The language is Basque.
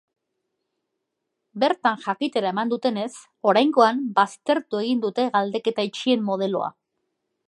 Bertan jakitera eman dutenez, oraingoan baztertu egin dute galdeketa itxien modeloa.